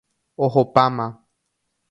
Ohopáma.